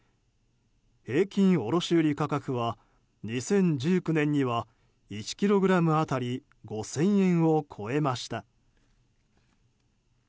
平均卸売価格は２０１９年には１ｋｇ当たり５０００円を超えました。